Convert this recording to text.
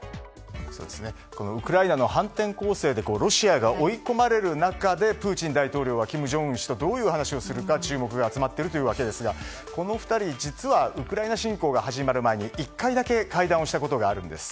ウクライナの反転攻勢でロシアが追い込まれる中でプーチン大統領は金正恩氏とどういう話をするのか注目が集まっているというわけですがこの２人、実はウクライナ侵攻が始まる前に１回だけ会談をしたことがあるんです。